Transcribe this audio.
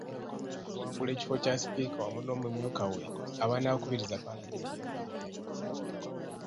Okuwangula ekifo kya Sipiika wamu n’omumyuka we abanaakubiriza Paalamenti y’ekkumi n'emu.